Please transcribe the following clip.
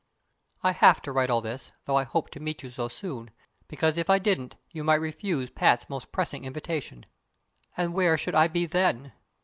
I have to write all this, though I hope to meet you so soon; because if I didn't, you might refuse Pat's most pressing invitation. And where should I be then?